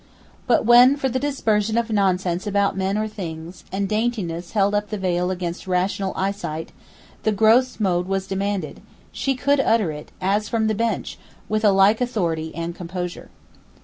But when, for the dispersion of nonsense about men or things, and daintiness held up the veil against rational eyesight, the gros mot was demanded, she could utter it, as from the Bench, with a like authority and composure.